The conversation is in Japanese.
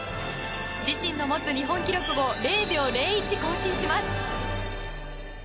自身の持つ日本記録を０秒０１更新します。